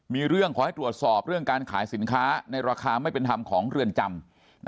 มีเรื่องขอให้ตรวจสอบเรื่องการขายสินค้าในราคาไม่เป็นธรรมของเรือนจำ